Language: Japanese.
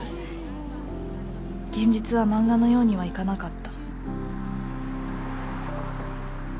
現実は漫画のようにはいかなかった